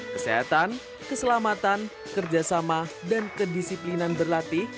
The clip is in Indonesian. kesehatan keselamatan kerjasama dan kedisiplinan berlatih